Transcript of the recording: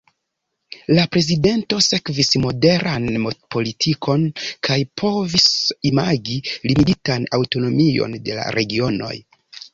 La prezidento sekvis moderan politikon kaj povis imagi limigitan aŭtonomion de la regionoj.